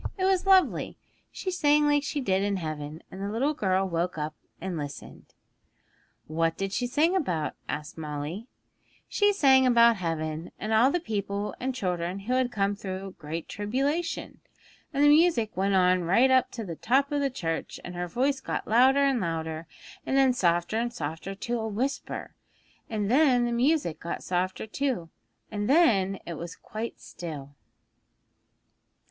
It was lovely. She sang like she did in heaven, and the little girl woke up and listened.' 'What did she sing about?' asked Molly. 'She sang about heaven, and all the people and children who had come through great tribulation. And the music went on right up to the top of the church, and her voice got louder and louder, and then softer and softer to a whisper, and then the music got softer too, and then it was quite still.'